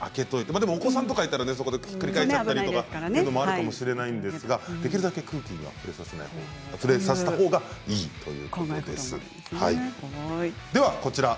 でもお子さんとかいたらひっくり返したりして危ないということもあるかもしれませんが、できるだけ空気に触れさせたほうがいいということです。